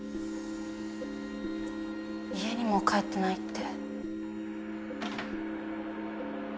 家にも帰ってないって。